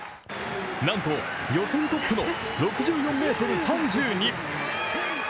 なんと予選トップの６４ｍ３２。